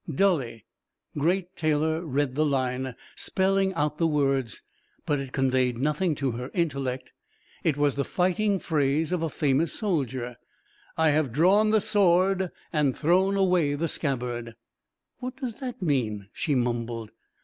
Dully, Great Taylor read the line, spelling out the words; but it conveyed nothing to her intellect. It was the fighting phrase of a famous soldier: "I have drawn the sword and thrown away the scabbard." "What does that mean?" she mumbled.